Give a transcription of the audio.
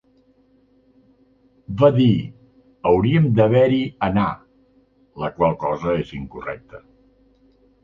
Va dir "Hauríem d'haver-hi 'anar' la qual cosa és incorrecte".